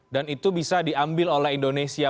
dan itu bisa diambil oleh indonesia